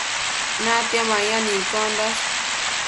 natia mayan iccondash